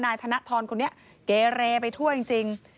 นายธนทรคนนี้เกเรไปทั่วจริง